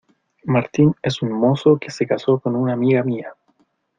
Martín es un mozo que se casó con una amiga mía.